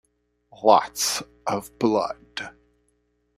Lots of blood.